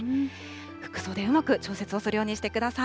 服装でうまく調節をするようにしてください。